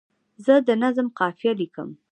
زه د نظم قافیه لیکم.